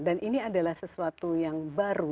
dan ini adalah sesuatu yang baru